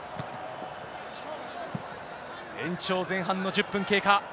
延長前半の１０分経過。